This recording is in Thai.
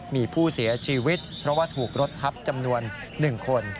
มีผู้เสียชีวิตเพราะว่าถูกรถทับจำนวน๑คน